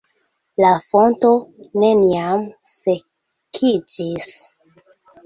La fonto neniam sekiĝis.